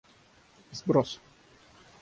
Сброс